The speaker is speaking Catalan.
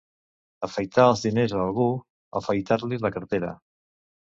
Afaitar els diners a algú, afaitar-li la cartera.